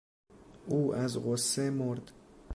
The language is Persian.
او از غصه مرد.